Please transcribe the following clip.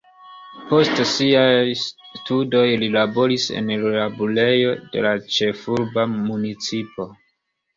Post siaj studoj li laboris en laborejo de la ĉefurba municipo.